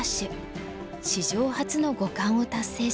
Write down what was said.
史上初の五冠を達成しました。